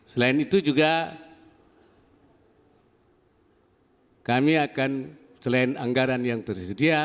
selain itu juga kami akan selain anggaran yang tersedia